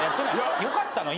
よかったの？